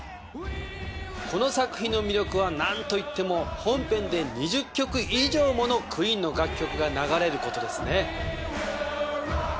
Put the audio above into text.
この作品の魅力は何といっても本編で２０曲以上ものＱＵＥＥＮの楽曲が流れることですね。